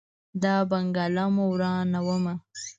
دا بنګله مو ورانومه.